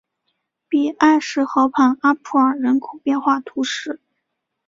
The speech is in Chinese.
比埃什河畔阿普尔人口变化图示